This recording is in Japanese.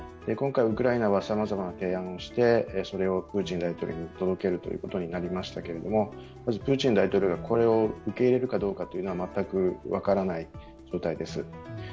今回、ウクライナはさまざまな提案をして、それをプーチン大統領に届けることになりましたけれども、まずプーチン大統領がこれを受け入れるかどうかというのは全く分からない状態です。